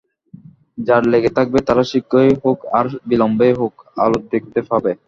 যারা লেগে থাকবে, তারা শীঘ্রই হোক আর বিলম্বেই হোক আলো দেখতে পাবে।